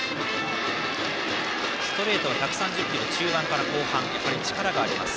ストレートは１３０キロ中盤から後半と力があります。